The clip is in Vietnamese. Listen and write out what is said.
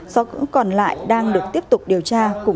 do cũng còn lại đang được tiếp tục điều tra củng cố hồ sơ để xử lý